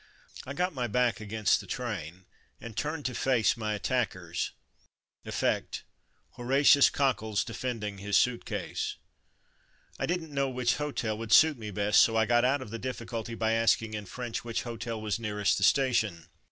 I got my back against the The man who came 3000 miles. ) Hotel Brigands 209 train and turned to face my attackers (effect : Horatius Cockles defending his suit case). I didn't know which hotel would suit me best, so I got out of the difficulty by asking in French which hotel was nearest the station.